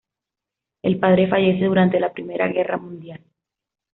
El padre fallece durante la Primera guerra mundial.